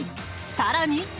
更に。